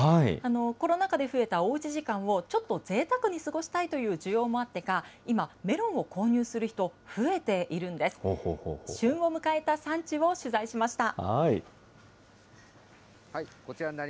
コロナ禍で増えたおうち時間をちょっとぜいたくに過ごしたいという需要もあってか、今、メロンを購入する人、増えているんです。